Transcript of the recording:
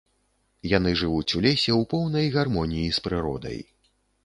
Яны жывуць у лесе ў поўнай гармоніі з прыродай.